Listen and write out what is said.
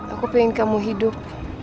aku pengen kamu hidup